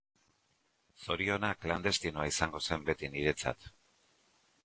Zoriona klandestinoa izango zen beti niretzat.